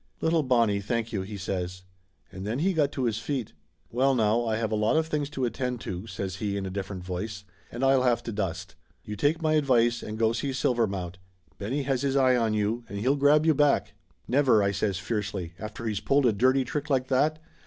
"Little Bonnie, thank you !" he says. And then he got to his feet. "Well now, I have a lot of things to attend to," says he in a different voice, "and I'll have to dust. You take my advice and go to see Silver mount. Benny has his eye on you and he'll grab you back." 260 Laughter Limited "Never !" I says fiercely. "After he's pulled a dirty trick like that